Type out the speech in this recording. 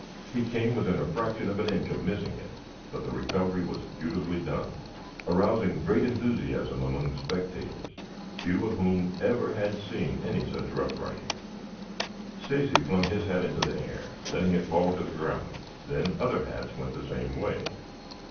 He came within a fraction of an inch of missing it, but the recovery was beautifully done, arousing great enthusiasm among the spectators, few of whom ever had seen any such rough riding. Stacy flung his hat into the air, letting it fall to the ground, then other hats went the same way.